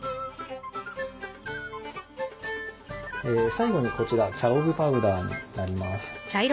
最後にこちらキャロブパウダーになります。